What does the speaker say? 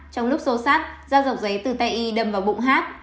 trong lúc xô sát da dọc giấy từ tay y đâm vào bụng hát